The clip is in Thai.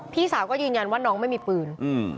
พี่สาวก็ยืนยันว่าน้องไม่มีปืนอืม